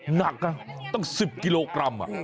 หนักตั้ง๑๐กิโลกรัม